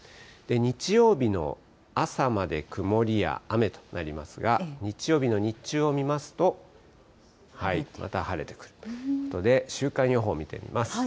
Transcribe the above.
日曜日の朝まで曇りや雨となりますが、日曜日の日中を見ますと、また晴れてくるということで、週間予報見てみます。